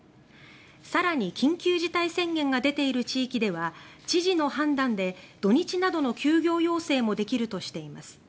更に、緊急事態宣言が出ている地域では知事の判断で土日などの休業要請もできるとしています。